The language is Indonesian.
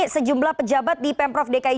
sejumlah pejabat di pemprov dki